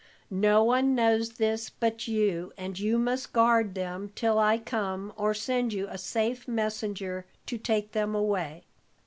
No one knows this but you, and you must guard them till I come or send you a safe messenger to take them away.